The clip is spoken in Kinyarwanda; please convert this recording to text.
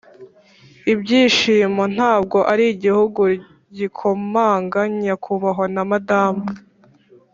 ibyishimo ntabwo ari igihugu gikomanga, nyakubahwa na madamu,